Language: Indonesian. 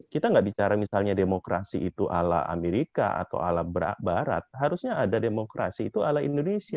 kita nggak bicara misalnya demokrasi itu ala amerika atau ala barat harusnya ada demokrasi itu ala indonesia